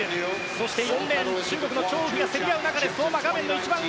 そして４レーン、中国のチョウ・ウヒが競り合う中で相馬が、画面の一番上。